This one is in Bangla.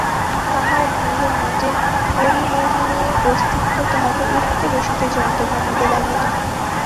তাঁহার গৃহের মধ্যে হরিমোহিনীর অস্তিত্ব তাঁহাকে উঠিতে বসিতে যন্ত্রণা দিতে লাগিল।